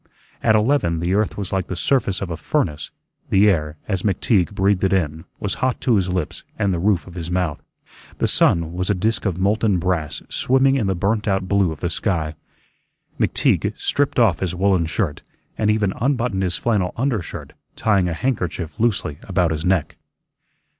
At eleven the earth was like the surface of a furnace; the air, as McTeague breathed it in, was hot to his lips and the roof of his mouth. The sun was a disk of molten brass swimming in the burnt out blue of the sky. McTeague stripped off his woollen shirt, and even unbuttoned his flannel undershirt, tying a handkerchief loosely about his neck.